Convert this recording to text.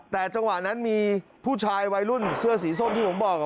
แต่จังหวะนั้นมีผู้ชายวัยรุ่นเสื้อสีส้มที่ผมบอก